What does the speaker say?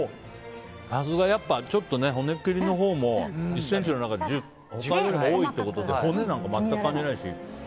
さすが、骨切りのほうも１ｃｍの中で他より多いってことで骨なんか全く感じないし。